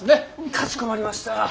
かしこまりました。